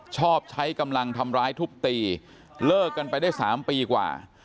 ชอบใช้กำลังทำร้ายทุบตีเลิกกันไปได้๓ปีกว่า